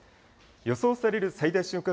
予想される最大瞬間